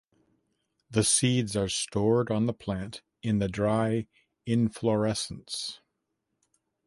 The seeds are stored on the plant in the dry inflorescence.